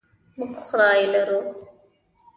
موږ خدای لرو.